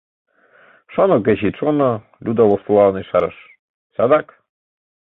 — Шоно, кеч ит шоно, — Люда воштылалын ешарыш, — садак.